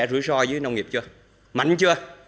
rủi ro với nông nghiệp chưa mạnh chưa